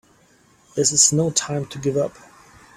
This is no time to give up!